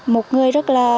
một người rất là